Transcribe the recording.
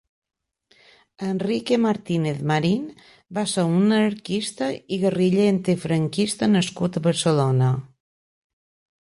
Enrique Martínez Marín va ser un anarquista i guerriller antifranquista nascut a Barcelona.